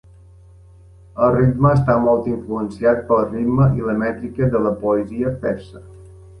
El ritme està molt influenciat pel ritme i la mètrica de la poesia persa.